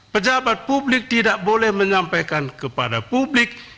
pejabat publik tidak boleh menyampaikan kepada publik